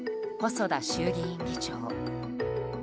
細田衆議院議長。